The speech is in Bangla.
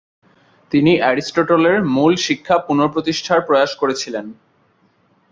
তিনি অ্যারিস্টটলের মূল শিক্ষা পুনঃপ্রতিষ্ঠার প্রয়াস করেছিলেন।